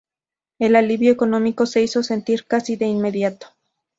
El alivio económico se hizo sentir casi de inmediato.